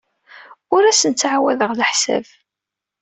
Ur asen-ttɛawadeɣ leḥsab.